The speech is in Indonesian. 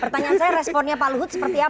pertanyaan saya responnya pak luhut seperti apa